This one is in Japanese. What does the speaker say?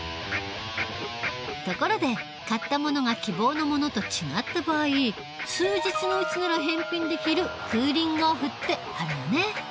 ところで買ったものが希望のものと違った場合数日のうちなら返品できる「クーリングオフ」ってあるよね。